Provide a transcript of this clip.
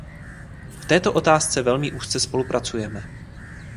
V této otázce velmi úzce spolupracujeme.